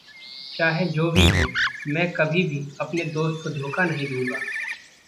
चाहे जो भी हो, मैं कभी भी अपने दोस्त को धोखा नहीं दूँगा।